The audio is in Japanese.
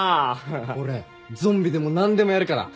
俺ゾンビでもなんでもやるから！